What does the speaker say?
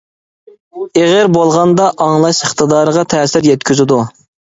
ئېغىر بولغاندا ئاڭلاش ئىقتىدارىغا تەسىر يەتكۈزىدۇ.